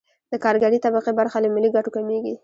د کارګرې طبقې برخه له ملي ګټو کمېږي